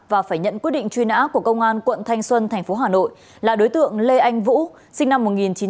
và phải nhận quyết định chuyên án của công an quận thanh xuân tp hà nội là đối tượng lê anh vũ sinh năm một nghìn chín trăm bảy mươi tám